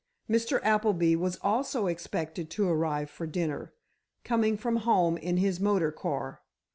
Mr. Appleby was also expected to arrive for dinner, coming from home in his motor car.